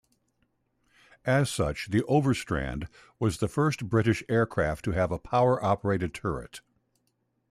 As such the Overstrand was the first British aircraft to have a power-operated turret.